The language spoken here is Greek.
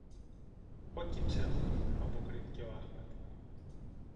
Όκι ψέματα, αποκρίθηκε ο Άχμετ